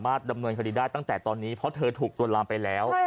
ไม่ต้องร้องหลายตั้งแต่ตอนนี้เพราะเธอถูกโรงรับไปแล้ว